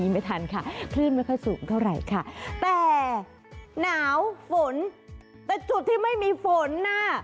ไม่ทันค่ะคลื่นไม่ค่อยสูงเท่าไหร่ค่ะแต่หนาวฝนแต่จุดที่ไม่มีฝนน่ะ